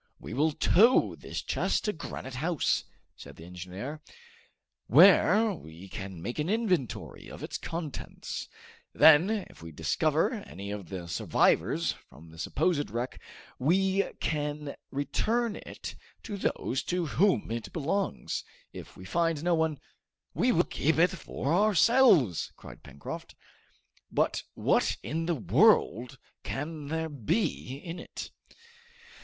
"We will tow this chest to Granite House," said the engineer, "where we can make an inventory of its contents; then, if we discover any of the survivors from the supposed wreck, we can return it to those to whom it belongs. If we find no one " "We will keep it for ourselves!" cried Pencroft. "But what in the world can there be in it?"